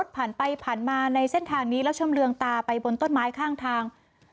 ผ่านไปผ่านมาในเส้นทางนี้แล้วชำเรืองตาไปบนต้นไม้ข้างทาง